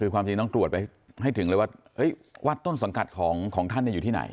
ความจริงน้องตรวจไปให้ถึงวัดต้นส้นกัดของท่านที่ไหน